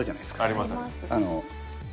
あります。